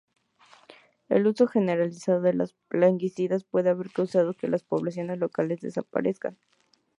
El uso generalizado de plaguicidas puede haber causado que las poblaciones locales desaparezcan.